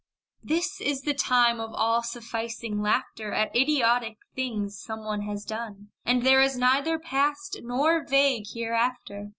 This is the time of all sufficing laughter At idiotic things some one has done, And there is neither past nor vague hereafter.